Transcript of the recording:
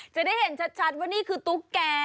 จะได้เห็นชัดว่านี่คือตุ๊กแก